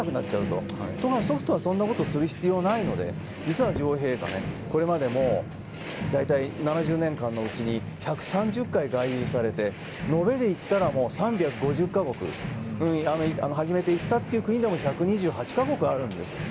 ところがソフトはそんなことをする必要はないので女王陛下はこれまでも大体７０年間のうちに１３０回、外遊されて延べでいったら３５０か国初めて行った国でも１２８か国あるんです。